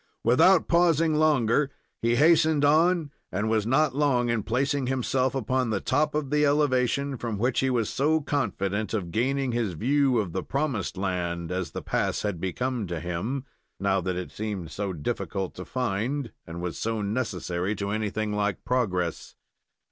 Without pausing longer he hastened on and was not long in placing himself upon the top of the elevation from which he was so confident of gaining his view of the promised land, as the pass had become to him, now that it seemed so difficult to find, and was so necessary to anything like progress.